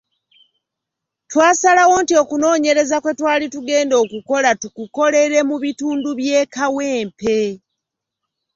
Twasalawo nti okunoonyereza kwe twali tugenda okukola tukukolere mu bitundu by’e Kawempe.